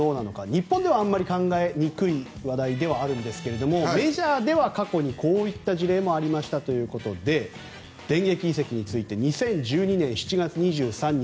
日本ではあまり考えにくい話題ではあるんですがメジャーでは過去にこういった事例もありましたということで電撃移籍について２０１２年７月２３日